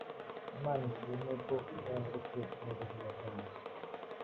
Imana ishimwe ko nungutse mubuzima bwanjye